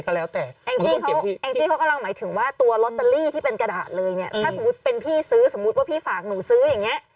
ถ้าสมมุติเป็นพี่ซื้อสมมุติว่าพี่ฝากหนูซื้ออย่างนี้